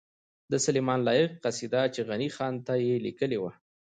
د سلیمان لایق قصیده چی غنی خان ته یی لیکلې وه